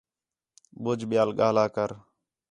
ٻُجھ ٻیال ڳاہلا کر